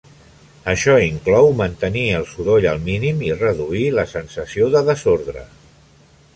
Això inclou mantenir el soroll al mínim i reduir la sensació de desordre.